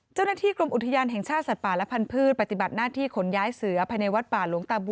เจ้าหน้าที่กรมอุทยานแห่งชาติสัตว์ป่าและพันธุ์ปฏิบัติหน้าที่ขนย้ายเสือภายในวัดป่าหลวงตาบัว